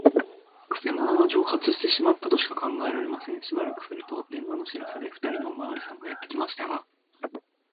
くせ者は蒸発してしまったとしか考えられません。しばらくすると、電話の知らせで、ふたりのおまわりさんがやってきましたが、